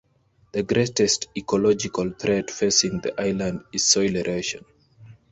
The greatest ecological threat facing the island is soil erosion.